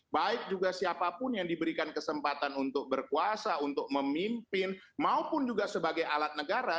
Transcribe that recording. baik juga siapapun yang diberikan kesempatan untuk berkuasa untuk memimpin maupun juga sebagai alat negara